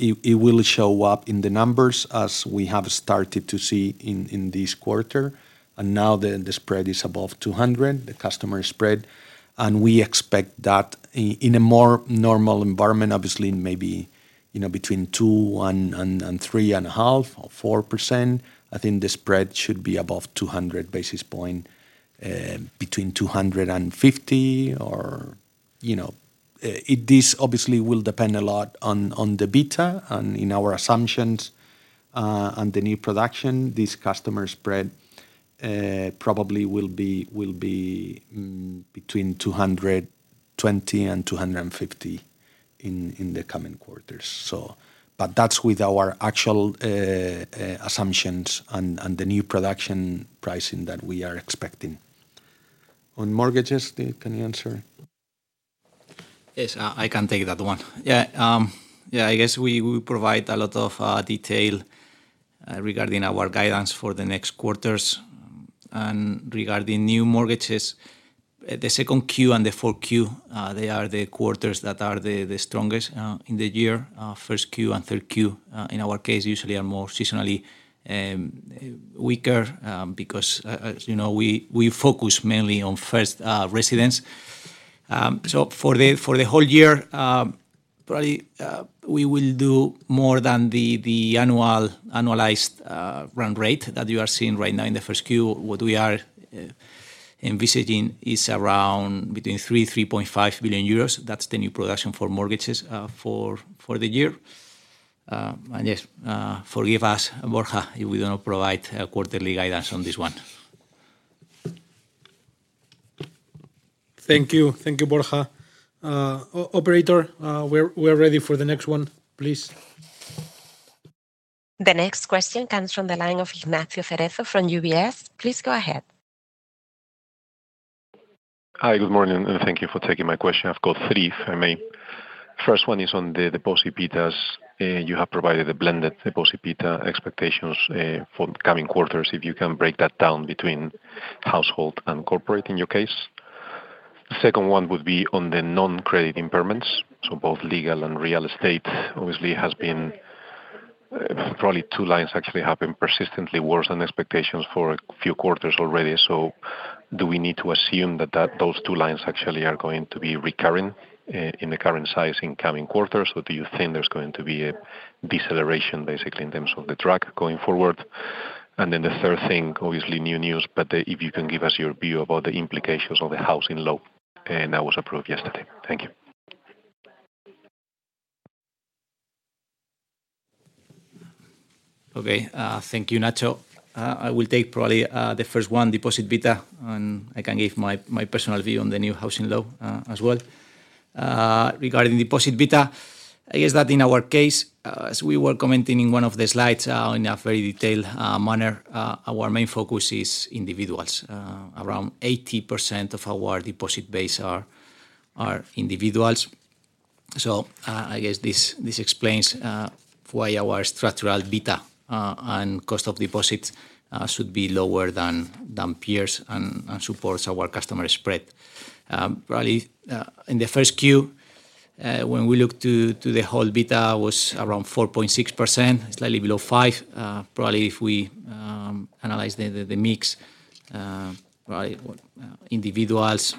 It will show up in the numbers as we have started to see in this quarter. Now the spread is above 200, the customer spread, and we expect that in a more normal environment, obviously maybe, you know, between 2% and 3.5% or 4%, I think the spread should be above 200 basis points, between 250 or, you know. This obviously will depend a lot on the beta and in our assumptions, on the new production. This customer spread, probably will be between 220 and 250 in the coming quarters. But that's with our actual assumptions and the new production pricing that we are expecting. On mortgages, can you answer? Yes. I can take that one. I guess we provide a lot of detail regarding our guidance for the next quarters. Regarding new mortgages, the second Q and the fourth Q, they are the quarters that are the strongest in the year. First Q and third Q, in our case usually are more seasonally weaker because as you know, we focus mainly on first residents. For the whole year, probably we will do more than the annual annualized run rate that you are seeing right now in the first Q. What we are envisaging is around between 3.5 billion euros. That's the new production for mortgages for the year. Yes, forgive us, Borja, if we do not provide a quarterly guidance on this one. Thank you. Thank you, Borja. operator, we're ready for the next one, please. The next question comes from the line of Ignacio Cerezo from UBS. Please go ahead. Hi. Good morning, and thank you for taking my question. I've got three, if I may. First one is on the deposit betas. You have provided a blended deposit beta expectations for coming quarters. If you can break that down between household and corporate in your case. Second one would be on the non-credit impairments. Both legal and real estate obviously probably two lines actually have been persistently worse than expectations for a few quarters already. Do we need to assume that those two lines actually are going to be recurring in the current size in coming quarters? Or do you think there's going to be a deceleration basically in terms of the track going forward? The third thing, obviously new news, but, if you can give us your view about the implications of the housing law, that was approved yesterday. Thank you. Okay. Thank you, Ignacio. I will take probably the first one, deposit beta, and I can give my personal view on the new housing law as well. Regarding deposit beta, I guess that in our case, as we were commenting in one of the slides, in a very detailed manner, our main focus is individuals. Around 80% of our deposit base are individuals. I guess this explains why our structural beta and cost of deposits should be lower than peers and supports our customer spread. Probably, in the 1st Q, when we look to the whole beta was around 4.6%, slightly below 5. Probably if we analyze the mix, right, individuals,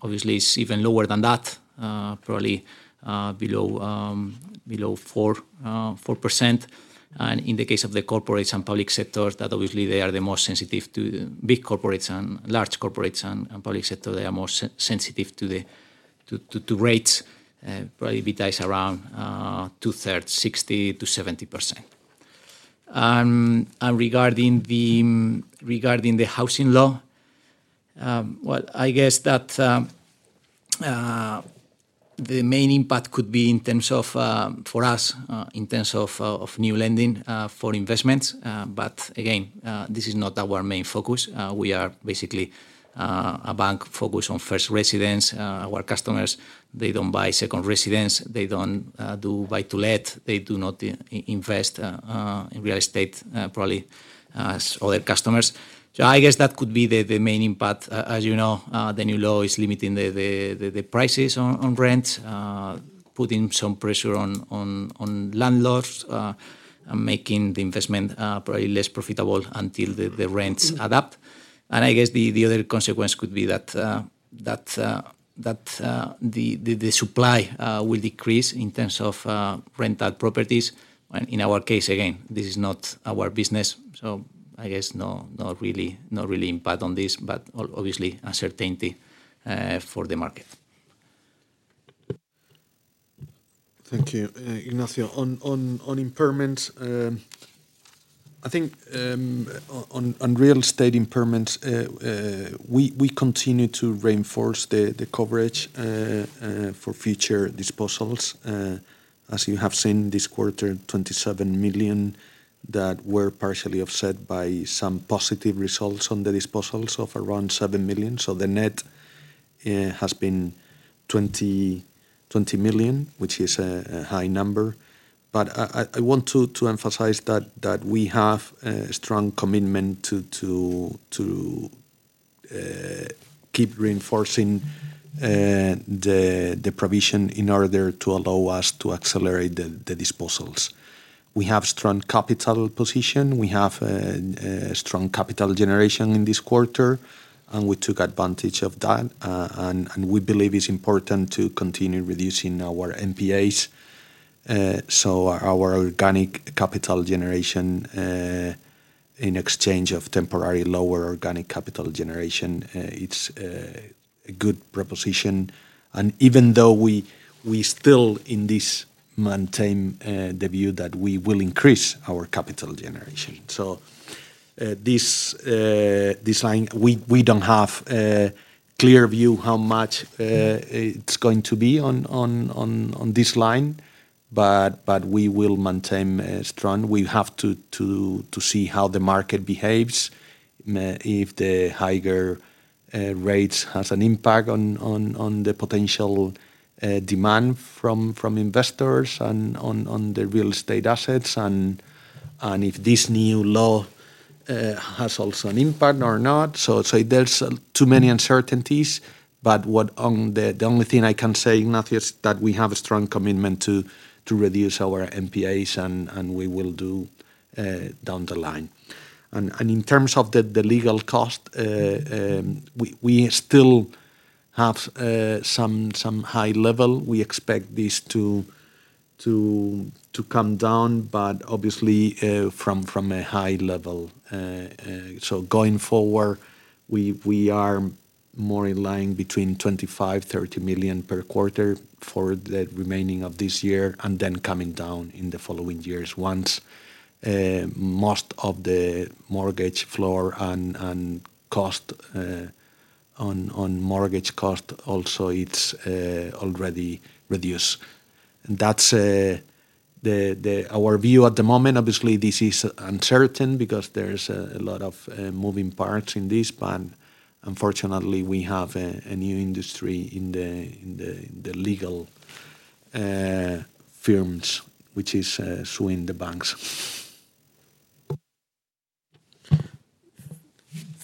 obviously is even lower than that, probably below 4%. In the case of the corporates and public sectors, that obviously they are the most sensitive to big corporates and large corporates and public sector, they are more sensitive to the rates. Probably betas around two-thirds, 60%-70%. Regarding the housing law, well, I guess that the main impact could be in terms of for us in terms of of new lending for investments. Again, this is not our main focus. We are basically a bank focused on first residents. Our customers, they don't buy second residents. They don't do buy-to-let. They do not invest in real estate, probably as other customers. I guess that could be the main impact. As you know, the new law is limiting the prices on rent, putting some pressure on landlords, and making the investment probably less profitable until the rents adapt. I guess the other consequence could be that the supply will decrease in terms of rental properties. In our case, again, this is not our business. I guess no, not really impact on this, but obviously uncertainty for the market. Thank you, Ignacio. On impairment, I think on real estate impairments, we continue to reinforce the coverage for future disposals. As you have seen this quarter, 27 million that were partially offset by some positive results on the disposals of around 7 million. The net has been 20 million, which is a high number. I want to emphasize that we have a strong commitment to keep reinforcing the provision in order to allow us to accelerate the disposals. We have strong capital position. We have a strong capital generation in this quarter. We took advantage of that. We believe it's important to continue reducing our NPAs, so our organic capital generation, in exchange of temporary lower organic capital generation, it's a good proposition. Even though we still in this maintain the view that we will increase our capital generation. This line, we don't have a clear view how much it's going to be on this line, but we will maintain strong. We have to see how the market behaves, if the higher rates has an impact on the potential demand from investors on the real estate assets and if this new law has also an impact or not. Say there's too many uncertainties, but the only thing I can say, Ignacio, is that we have a strong commitment to reduce our NPAs, and we will do down the line. In terms of the legal cost, we still have some high level. We expect this to come down, but obviously, from a high level. Going forward, we are more in line between 25-30 million per quarter for the remaining of this year, and then coming down in the following years once most of the mortgage floor and cost. Mortgage cost also, it's already reduced. That's our view at the moment. Obviously, this is uncertain because there's a lot of moving parts in this. Unfortunately, we have a new industry in the legal firms, which is suing the banks.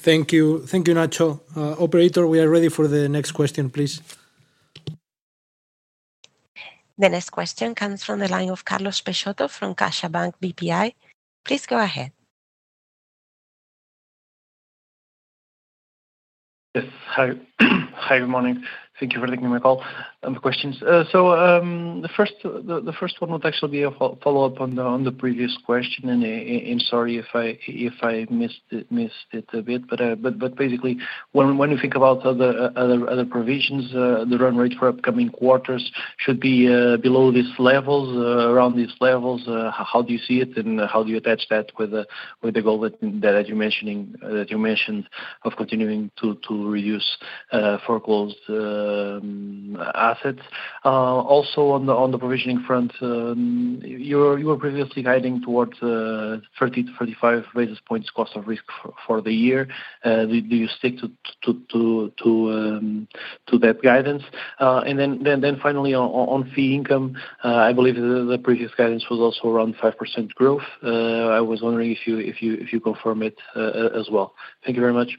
Thank you. Thank you, Nacho. Operator, we are ready for the next question, please. The next question comes from the line of Carlos Peixoto from CaixaBank BPI. Please go ahead. Yes. Hi. Hi. Good morning. Thank you for taking my call. Questions. The first one would actually be a follow-up on the previous question, and sorry if I missed it a bit. But basically, when you think about other provisions, the run rate for upcoming quarters should be below these levels, around these levels. How do you see it, and how do you attach that with the goal that, as you're mentioning, that you mentioned of continuing to reduce foreclosed assets? Also on the provisioning front, you were previously guiding towards 30- 35 basis points cost of risk for the year. Do you stick to that guidance? Then finally on fee income, I believe the previous guidance was also around 5% growth. I was wondering if you confirm it as well. Thank you very much.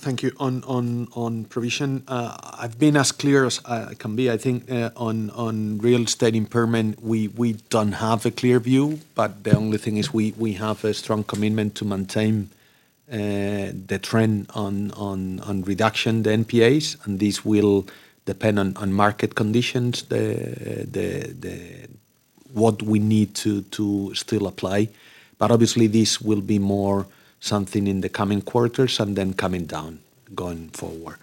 Thank you. On provision, I've been as clear as I can be. I think, on real estate impairment, we don't have a clear view, but the only thing is we have a strong commitment to maintain the trend on reduction the NPAs, and this will depend on market conditions, what we need to still apply. Obviously, this will be more something in the coming quarters and then coming down going forward.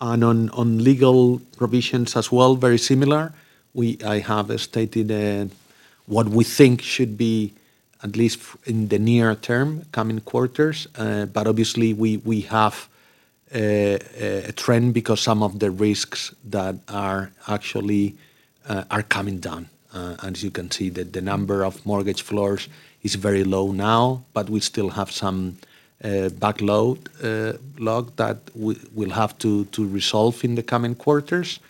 On legal provisions as well, very similar. I have stated what we think should be at least in the near term coming quarters. Obviously, we have a trend because some of the risks that are actually coming down. As you can see, the number of mortgage floors is very low now, but we still have some backload log that we will have to resolve in the coming quarters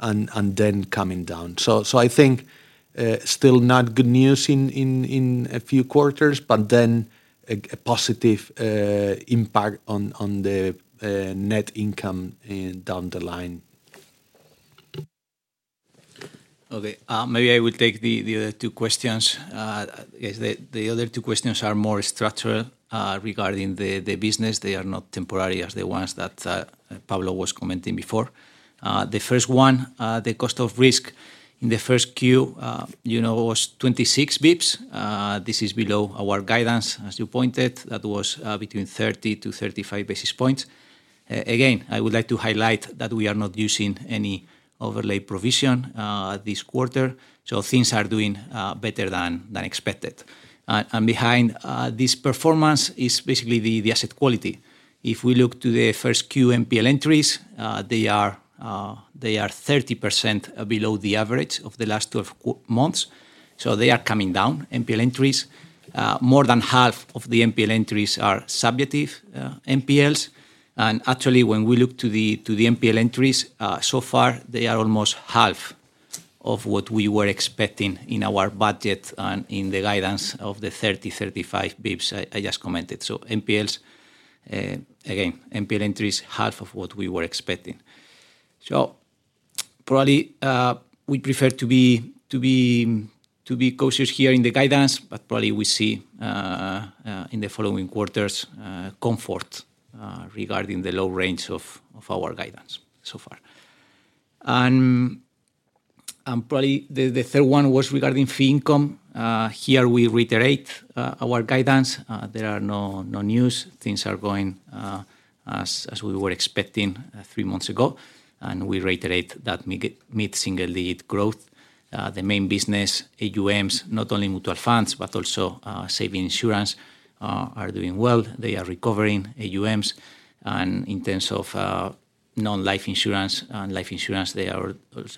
and then coming down. I think still not good news in a few quarters, but then a positive impact on the net income down the line. Okay. Maybe I will take the other two questions. As the other two questions are more structural regarding the business. They are not temporary as the ones that Pablo was commenting before. The first one, the cost of risk in the first Q, you know, was 26 basis points. This is below our guidance, as you pointed. That was between 30-35 basis points. Again, I would like to highlight that we are not using any overlay provision this quarter, so things are doing better than expected. Behind this performance is basically the asset quality. If we look to the first Q NPL entries, they are 30% below the average of the last 12 months. They are coming down, NPL entries. More than half of the NPL entries are subjective NPLs. Actually, when we look to the NPL entries, so far, they are almost half of what we were expecting in our budget and in the guidance of the 30-35 bps I just commented. NPLs, again, NPL entries, half of what we were expecting. Probably, we prefer to be cautious here in the guidance, but probably we see in the following quarters comfort regarding the low range of our guidance so far. Probably the third one was regarding fee income. Here we reiterate our guidance. There are no news. Things are going as we were expecting three months ago, and we reiterate that mid-single-digit growth. The main business, AUMs, not only mutual funds, but also saving insurance, are doing well. They are recovering AUMs. In terms of non-life insurance and life insurance, they are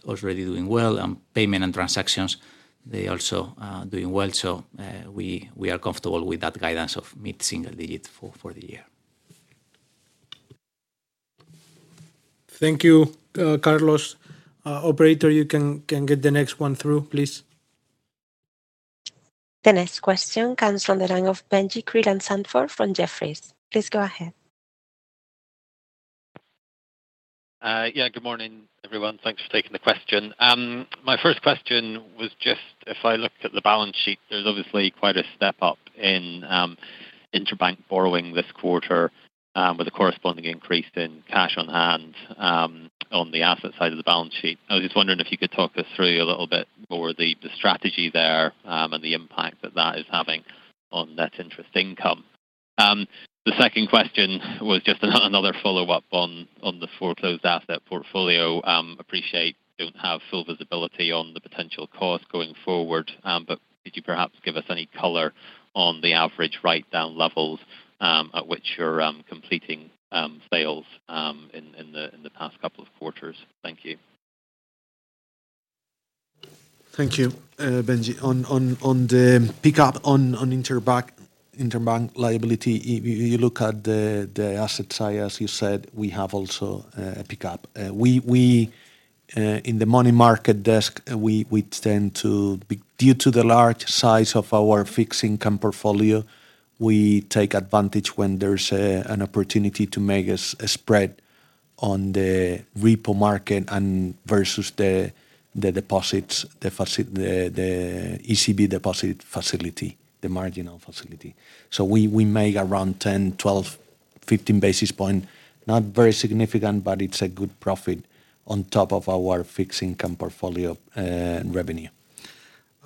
already doing well. Payment and transactions, they also doing well. We are comfortable with that guidance of mid-single digits for the year. Thank you, Carlos. Operator, you can get the next one through, please. The next question comes from the line of Benjie Creelan-Sandford from Jefferies. Please go ahead. Yeah. Good morning, everyone. Thanks for taking the question. My first question was just if I look at the balance sheet, there's obviously quite a step up in interbank borrowing this quarter, with a corresponding increase in cash on hand on the asset side of the balance sheet. I was just wondering if you could talk us through a little bit more the strategy there, and the impact that that is having on net interest income. The second question was just another follow-up on the foreclosed asset portfolio. Appreciate don't have full visibility on the potential cost going forward, but could you perhaps give us any color on the average write-down levels, at which you're completing sales in the past couple of quarters? Thank you. Thank you, Benjie. On the pickup on interbank liability, if you look at the asset side, as you said, we have also a pickup. We in the money market desk, we tend to be due to the large size of our fixed income portfolio, we take advantage when there's an opportunity to make a spread on the repo market and versus the deposits, the ECB deposit facility, the marginal facility. We make around 10, 12, 15 basis points. Not very significant, but it's a good profit on top of our fixed income portfolio revenue.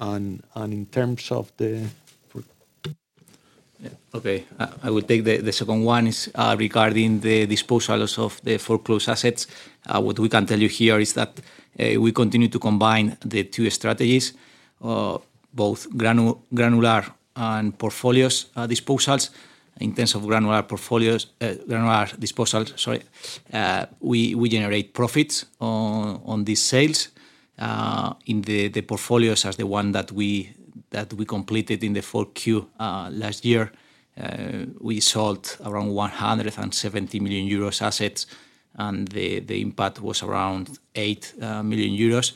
In terms of the for. Yeah. Okay. I will take the second one is regarding the disposal of the foreclosed assets. What we can tell you here is that we continue to combine the two strategies, both granular and portfolios disposals. In terms of granular portfolios, granular disposals, sorry, we generate profits on these sales. In the portfolios, as the one that we completed in the full Q last year, we sold around 170 million euros assets, and the impact was around 8 million euros.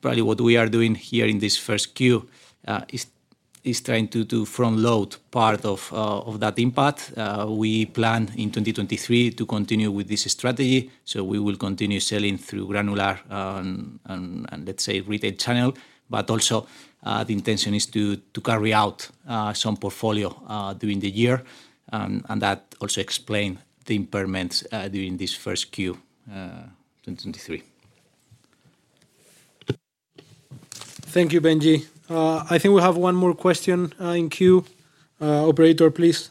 Probably what we are doing here in this first Q is trying to do front load part of that impact. We plan in 2023 to continue with this strategy, so we will continue selling through granular and let's say retail channel. Also, the intention is to carry out some portfolio during the year, and that also explain the impairments during this first Q 2023. Thank you, Benjie. I think we have one more question in queue. Operator, please.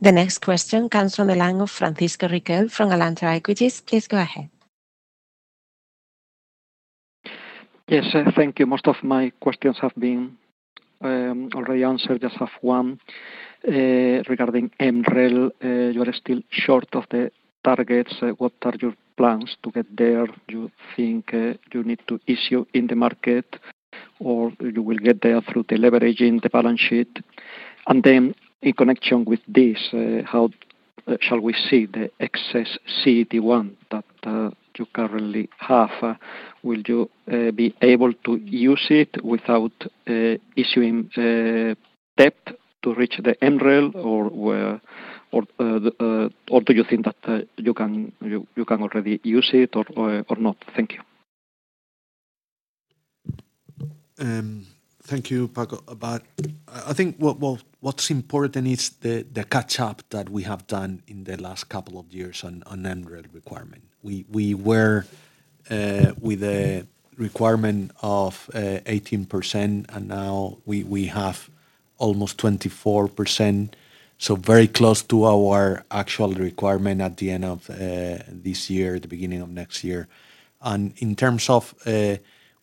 The next question comes from the line of Francisco Riquel from Alantra Equities. Please go ahead. Yes, thank you. Most of my questions have been already answered. Just have one regarding MREL. You are still short of the targets. What are your plans to get there? Do you think you need to issue in the market or you will get there through the leverage in the balance sheet? In connection with this, how shall we see the excess CET1 that you currently have? Will you be able to use it without issuing debt to reach the MREL or where, or the or do you think that you can already use it or not? Thank you. Thank you, Paco. I think what's important is the catch-up that we have done in the last couple of years on MREL requirement. We were with a requirement of 18%, and now we have almost 24%. Very close to our actual requirement at the end of this year, the beginning of next year. In terms of,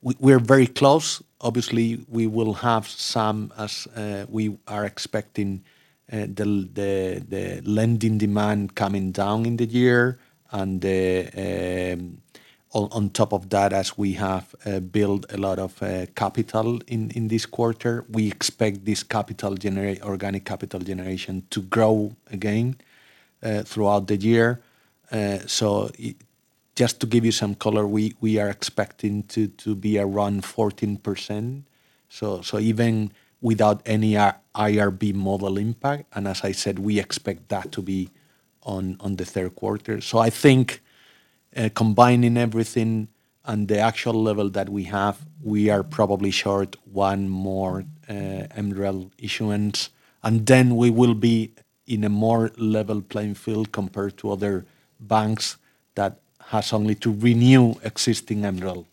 we're very close. Obviously, we will have some as we are expecting the lending demand coming down in the year and on top of that, as we have built a lot of capital in this quarter. We expect this capital organic capital generation to grow again throughout the year. Just to give you some color, we are expecting to be around 14% even without any IRB model impact. As I said, we expect that to be on the third quarter. I think combining everything and the actual level that we have, we are probably short one more MREL issuance, then we will be in a more level playing field compared to other banks that has only to renew existing MREL.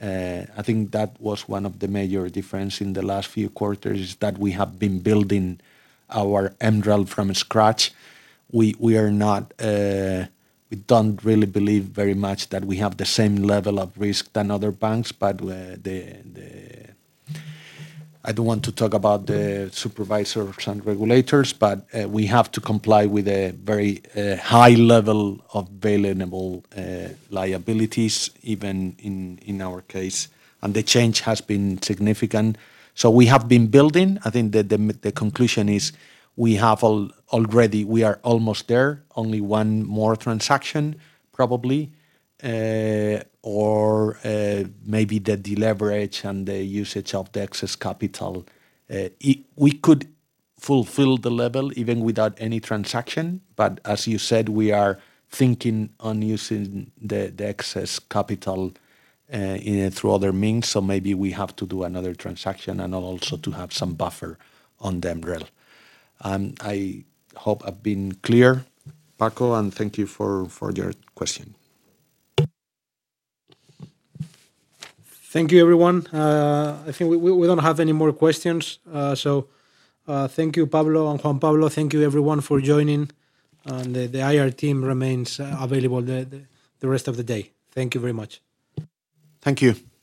I think that was one of the major difference in the last few quarters, is that we have been building our MREL from scratch. We are not, we don't really believe very much that we have the same level of risk than other banks, the... I don't want to talk about the supervisors and regulators, but we have to comply with a very high level of vulnerable liabilities, even in our case, and the change has been significant. We have been building. I think the conclusion is we have already we are almost there. Only one more transaction probably or maybe the deleverage and the usage of the excess capital. We could fulfill the level even without any transaction, but as you said, we are thinking on using the excess capital, you know, through other means. Maybe we have to do another transaction and also to have some buffer on the MREL. I hope I've been clear, Paco, and thank you for your question. Thank you, everyone. I think we don't have any more questions. Thank you, Pablo and Juan Pablo. Thank you everyone for joining. The IR team remains available the rest of the day. Thank you very much. Thank you. Thank you.